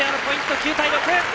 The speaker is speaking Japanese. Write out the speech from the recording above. ９対６！